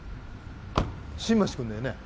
新町君だよね？